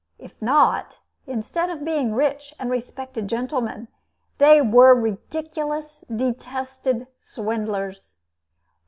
If not, instead of being rich and respected gentlemen, they were ridiculous, detected swindlers.